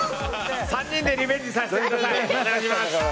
３人でリベンジさせてください！